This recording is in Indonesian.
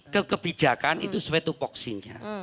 kekebijakan itu suatu boxing